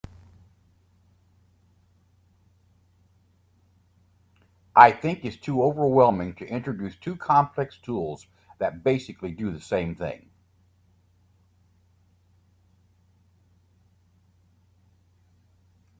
I think it’s too overwhelming to introduce two complex tools that basically do the same things.